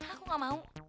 aku enggak mau